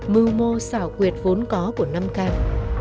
mưu mô xảo quyệt vốn có của nam cam